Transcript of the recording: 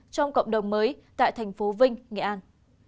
trong cộng đồng mới tại tp vinh nghệ an